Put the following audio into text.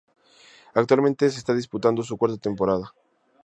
Actualmente, se está disputando su cuarta temporada.